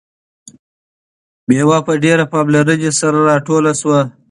میوه په ډیرې پاملرنې سره راټوله شوه.